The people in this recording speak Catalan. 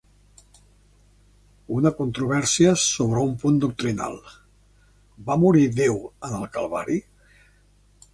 Una controvèrsia sobre un punt doctrinal, va morir Déu en el Calvari?